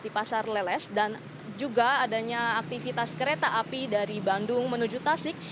di pasar leles dan juga adanya aktivitas kereta api dari bandung menuju tasik